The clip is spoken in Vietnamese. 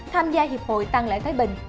tham gia hiệp hội tăng lễ thái bình